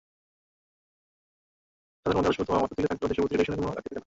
তাদের মধ্যে আদর্শগত মতপার্থক্য থাকলেও দেশের প্রতি ডেডিকেশনে কোনো ঘাটতি থাকে না।